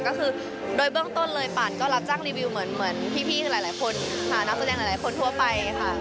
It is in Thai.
ก็คือโดยเบื้องต้นเลยปั่นก็รับจ้างรีวิวเหมือนพี่คือหลายคนค่ะนักแสดงหลายคนทั่วไปค่ะ